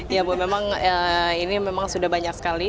ya bu memang ini memang sudah banyak sekali